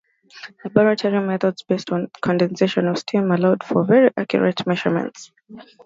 Laboratory methods based on the condensation of steam allowed for very accurate measurements.